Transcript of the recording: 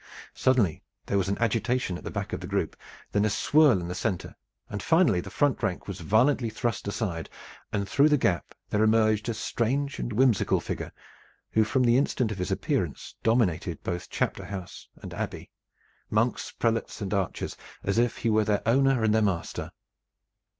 Suddenly there was an agitation at the back of this group, then a swirl in the center, and finally the front rank was violently thrust aside, and through the gap there emerged a strange and whimsical figure, who from the instant of his appearance dominated both chapter house and Abbey, monks, prelates and archers, as if he were their owner and their master.